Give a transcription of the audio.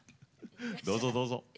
どうぞどうぞ。